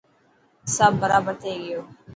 هساب برابر ٿي گيو.